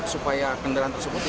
supaya kendaraan tersebut tidak